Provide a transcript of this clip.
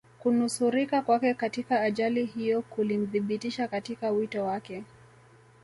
kunusurika kwake katika ajali hiyo kulimthibitisha katika wito wake